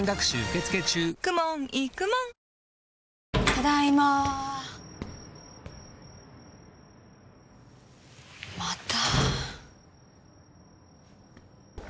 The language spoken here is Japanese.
ただいままた？